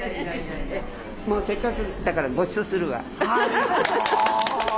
もうせっかくだからごちそうするわ。